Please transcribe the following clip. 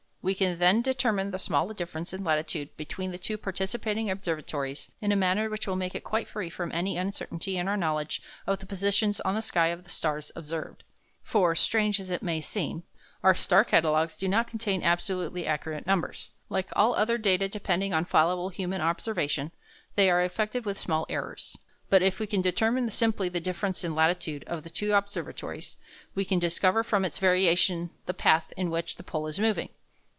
We can then determine the small difference in latitude between the two participating observatories in a manner which will make it quite free from any uncertainty in our knowledge of the positions on the sky of the stars observed; for, strange as it may seem, our star catalogues do not contain absolutely accurate numbers. Like all other data depending on fallible human observation, they are affected with small errors. But if we can determine simply the difference in latitude of the two observatories, we can discover from its variation the path in which the pole is moving.